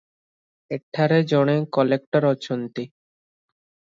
ଏଠାରେ ଜଣେ କଲେକ୍ଟର ଅଛନ୍ତି ।